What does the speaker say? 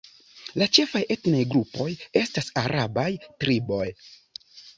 La ĉefaj etnaj grupoj estas arabaj triboj.